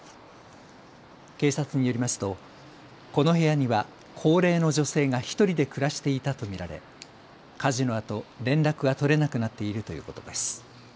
警察によりますとこの部屋には高齢の女性が１人で暮らしていたと見られ火事のあと連絡が取れなくなっているということです。